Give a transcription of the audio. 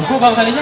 kok bang sandi nya